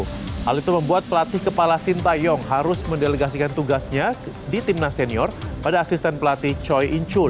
hal itu membuat pelatih kepala sintayong harus mendelegasikan tugasnya di timnas senior pada asisten pelatih choi incul